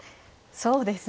そうですね。